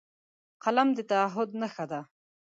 قلم د تعهد نښه ده